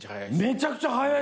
めちゃくちゃ早い。